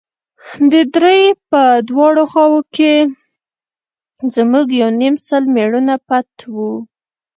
د درې په دواړو خواوو کښې زموږ يو يونيم سل مېړونه پټ وو.